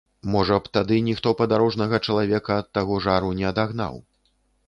Можа б, тады ніхто падарожнага чалавека ад таго жару не адагнаў.